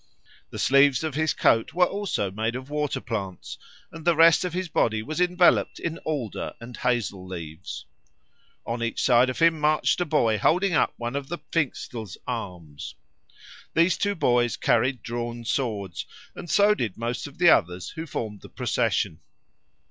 The sleeves of his coat were also made of water plants, and the rest of his body was enveloped in alder and hazel leaves. On each side of him marched a boy holding up one of the Pfingstl's arms. These two boys carried drawn swords, and so did most of the others who formed the procession.